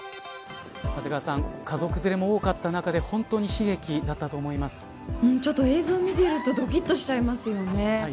長谷川さん、家族連れも多かった中でちょっと映像を見るとどきっとしちゃいますよね。